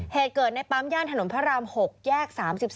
เหตุเกิดในปั๊มย่านถนนพระราม๖แยก๓๒